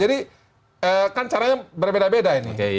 jadi kan caranya berbeda beda ini